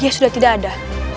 dia sudah tidak ada